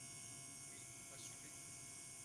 Oui, assumez